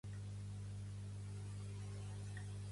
Segur que molts immigrants escriuen millor que alguna xenòfoba